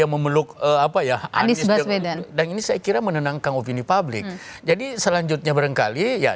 memeluk apa ya anies dan ini saya kira menenangkan opini publik jadi selanjutnya barangkali ya